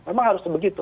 memang harus begitu